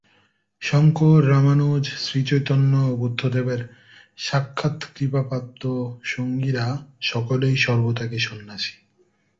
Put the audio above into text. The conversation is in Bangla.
শঙ্কর, রামানুজ, শ্রীচৈতন্য ও বুদ্ধদেবের সাক্ষাৎ কৃপাপ্রাপ্ত সঙ্গীরা সকলেই সর্বত্যাগী সন্ন্যাসী।